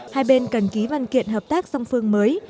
hai bên cần ký văn kiện hợp tác song phương mới